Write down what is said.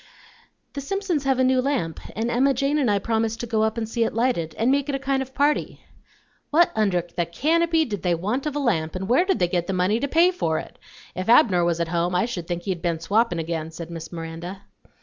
"The Simpsons have a new lamp, and Emma Jane and I promised to go up and see it lighted, and make it a kind of a party." "What under the canopy did they want of a lamp, and where did they get the money to pay for it? If Abner was at home, I should think he'd been swappin' again," said Miss Miranda.